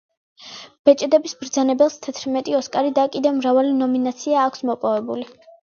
ბეჭდების ბრძანებელს თერთმეტი ოსკარი და კიდევ მრავალი ნომინაცია აქვს მოპოვებული